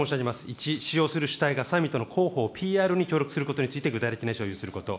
１、使用する主体がサミットの広報、ＰＲに協力することについて、具体的に使用すること。